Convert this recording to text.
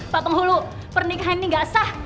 pak penghulu pernikahan ini gak sah